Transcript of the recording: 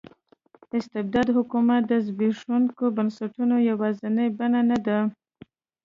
استبدادي حکومت د زبېښونکو بنسټونو یوازینۍ بڼه نه ده.